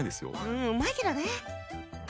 うんうまいけどね。